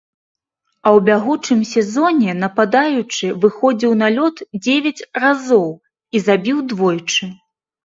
А ў бягучым сезоне нападаючы выходзіў на лёд дзевяць разоў і забіў двойчы.